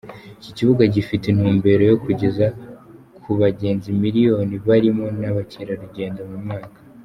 Iki kibuga gifite intumbero yo kugeza ku bagenzi miliyoni barimo na bamukerarugendo mu mwaka.